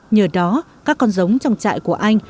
nhờ đó các con giống trong chạy của anh